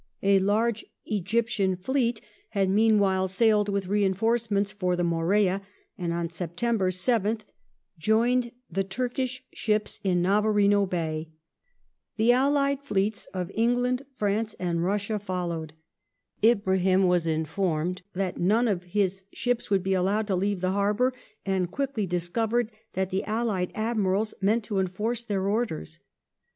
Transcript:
A large Egyptian fleet had meanwhile sailed with reinforcements for the Morea, and on September 7th joined the Turkish ships in Navarino Bay. The allied fleets of England, France, and Russia followed. Ibrahim was informed that none of his ships would be allowed to leave the harbour, and quickly discovered that the allied Admirals meant to enforce their ordei s.